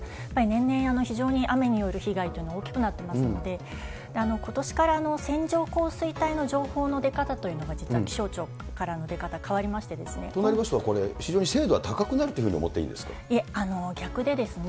年々、非常に雨による被害というのは大きくなっていますので、ことしから線状降水帯の情報の出方というのが実は気象庁からの出これ、非常に精度は高くなると思っていいんですか？